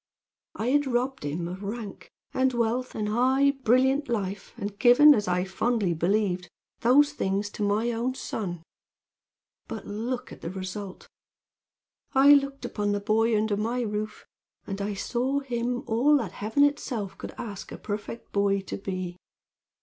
I had robbed him of rank, and wealth, and high, brilliant life, and given, as I had fondly believed, those things to my own son. But look at the result! I looked upon the boy under my roof, and saw him all that Heaven itself could ask a perfect boy to be.